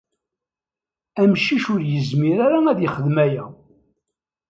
Amcic ur yezmir ara ad yexdem aya.